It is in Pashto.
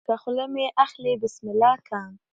که خوله مې اخلې بسم الله که